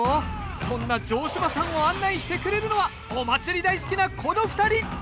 そんな城島さんを案内してくれるのはお祭り大好きなこの２人！